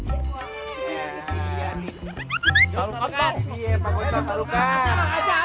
eh gua mau masuk